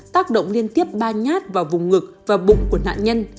tác động liên tiếp ba nhát vào vùng ngực và bụng của nạn nhân